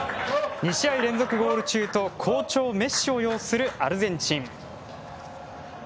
２試合連続ゴール中と好調メッシを擁するアルゼンチン。